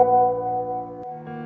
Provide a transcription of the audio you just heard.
visa u penuh